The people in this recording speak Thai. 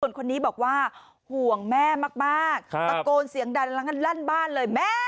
ส่วนคนนี้บอกว่าห่วงแม่มากตะโกนเสียงดังแล้วกันลั่นบ้านเลยแม่